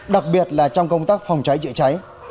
đặc biệt là trong công tác phòng cháy chữa cháy